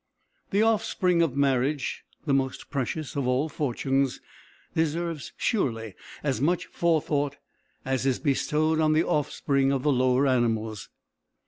The offspring of marriage, the most precious of all fortunes, deserves surely as much forethought as is bestowed on the offspring of the lower animals.